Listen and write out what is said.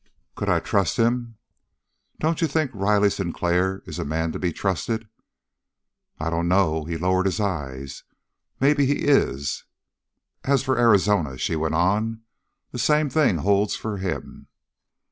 "Could I trust him?" "Don't you think Riley Sinclair is a man to be trusted?" "I dunno." He lowered his eyes. "Maybe he is." "As for Arizona," she went on, "the same thing holds for him."